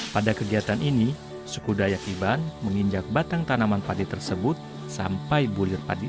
pada kegiatan ini suku dayak iban menginjak batang tanaman padi tersebut sampai bulir padi